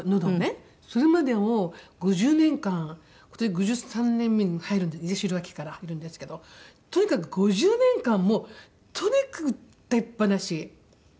それまでもう５０年間今年５３年目に入る八代亜紀から入るんですけどとにかく５０年間もとにかく歌いっぱなしだったんですよ。